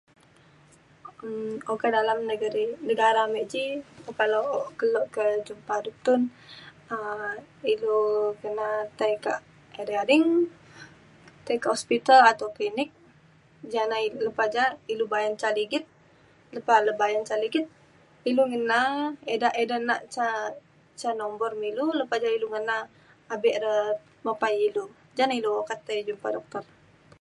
um okak dalam negeri negara me ji okak le ke- kelo ke jumpa duktun um ilu kena tai kak edei ading tai kak hospital atau klinik ja na ilu lepa ja na ilu bayan ca ligit lepa le bayan ca ligit ilu ngena ida ida nak ca ca nombor me ilu lepa ja ilu ngena abe re mopa ilu. ja ne ilu okak ke tai jumpa doktor.